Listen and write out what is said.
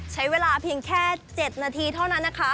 ใช้เวลาเพียงแค่๗นาทีเท่านั้นนะคะ